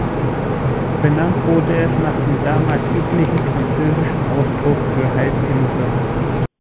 Benannt wurde es nach dem damals üblichen französischen Ausdruck für Halbinsel.